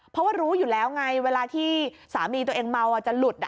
เพราะว่ารู้อยู่แล้วไงเวลาที่สามีตัวเองเมาจะหลุด